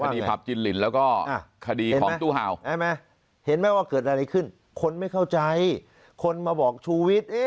คดีผับจินลินแล้วก็คดีของตู้เห่าเห็นไหมว่าเกิดอะไรขึ้นคนไม่เข้าใจคนมาบอกชูวิทย์